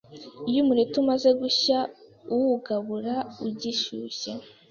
Iyo umureti umaze gushya uwugabura ugishyushye,